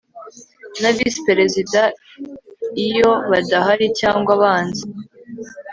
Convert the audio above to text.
na visi perezida iyo badahari cyangwa banze